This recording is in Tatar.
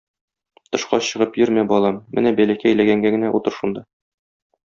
Тышка чыгып йөрмә, балам, менә бәләкәй ләгәнгә генә утыр шунда.